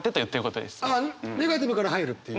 ああネガティブから入るっていう？